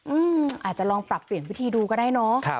อาจจะลองปรับเปลี่ยนวิธีดูก็ได้เนอะ